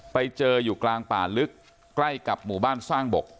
ไปเจออยู่กลางป่าลึกใกล้กับหมู่บ้านสร้างบก